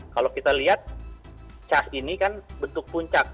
kalau kita lihat cas ini kan bentuk puncak